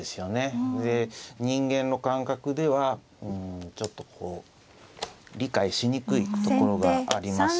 人間の感覚ではちょっと理解しにくいところがあります。